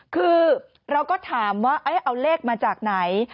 คือเราก็ถามว่าเอาเลขมาจากไหน